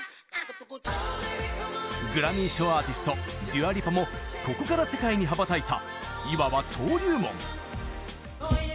グラミー賞アーティストデュア・リパもここから世界に羽ばたいたいわば登竜門。